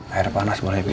air panas boleh bi